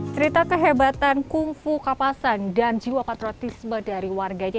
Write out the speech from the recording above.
cerita kehebatan kungfu kapasan dan jiwa katriotisme dari warganya